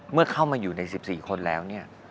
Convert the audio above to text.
เมื่อเข้ามาอยู่ใน๑๔คนแล้วเนี่ย